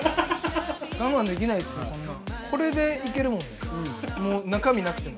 我慢できないっす、こんなん。